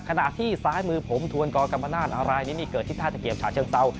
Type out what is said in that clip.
ขณะที่สายมือผมถวนกกรรมนาฏอารายนี้เกิดที่ท่าเกียรติศาสตร์เชิงเศร้า